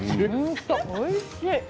おいしい。